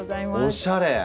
おしゃれ！